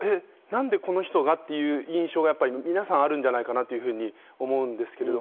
何でこの人が？という印象が皆さんあるじゃないかなと思うんですけど。